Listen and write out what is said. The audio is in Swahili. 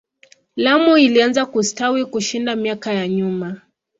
Lamu ilianza kustawi kushinda miaka ya nyuma.